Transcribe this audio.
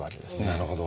なるほど。